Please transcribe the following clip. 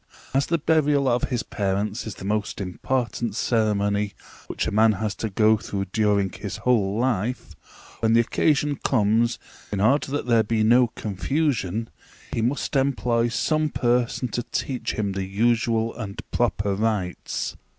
As the burial of his parents is the most important ceremony which a man has to go through during his whole life, when the occasion comes, in order that there be no confusion, he must employ some person to teach him the usual and proper rites.